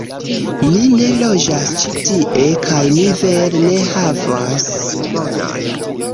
Mi ne loĝas ĉi tie, kaj mi vere ne havas monon